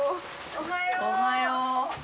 おはよう！